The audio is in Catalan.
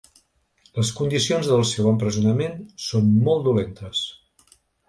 Les condicions del seu empresonament són molt dolentes.